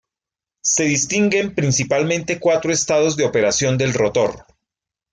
Se distinguen principalmente cuatro estados de operación del rotor.